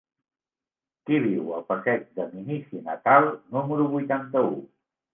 Qui viu al passeig de Minici Natal número vuitanta-u?